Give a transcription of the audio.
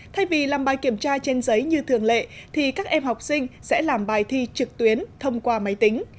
thay vì làm bài kiểm tra trên giấy như thường lệ thì các em học sinh sẽ làm bài thi trực tuyến thông qua máy tính